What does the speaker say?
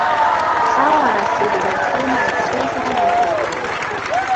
sawa na asilimia kumi na tisa nukta moja